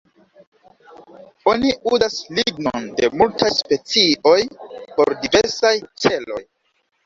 Oni uzas lignon de multaj specioj por diversaj celoj.